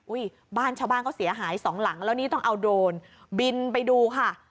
บ้านชาวบ้านเขาเสียหายสองหลังแล้วนี่ต้องเอาโดรนบินไปดูค่ะ